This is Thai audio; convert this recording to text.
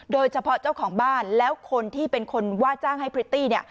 โดยเฉพาะเจ้าของบ้านแล้วคนที่เป็นคนว่าจ้างให้พริตตี้เนี่ย